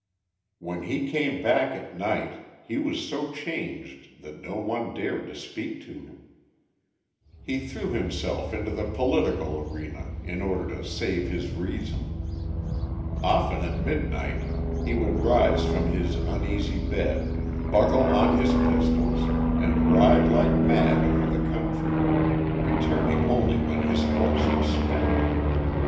When he came back at night, he was so changed that no one dared to speak to him. He threw himself into the political arena in order to save his reason. Often at midnight, he would rise from his uneasy bed, buckle on his pistols, and ride like mad over the country, returning only when his horse was spent.